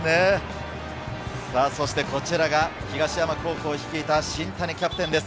そしてこちらが東山高校を率いた新谷キャプテンです。